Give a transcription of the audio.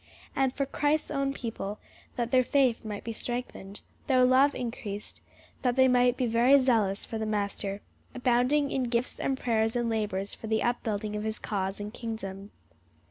And for Christ's own people, that their faith might be strengthened, their love increased, that they might be very zealous for the Master, abounding in gifts and prayers and labors for the upbuilding of his cause and kingdom.